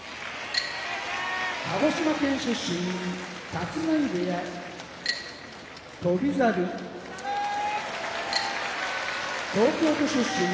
鹿児島県出身立浪部屋翔猿東京都出身